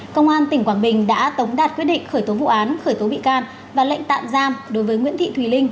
công an tỉnh quảng bình đã tống đạt quyết định khởi tố vụ án khởi tố bị can và lệnh tạm giam đối với nguyễn thị thùy linh